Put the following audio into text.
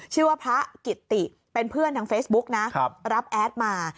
ชื่อว่าพระกิตติเป็นเพื่อนทางเฟซบุ๊กนะรับแอดมา